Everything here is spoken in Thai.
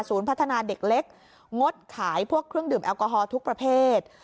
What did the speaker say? พัฒนาเด็กเล็กงดขายพวกเครื่องดื่มแอลกอฮอลทุกประเภท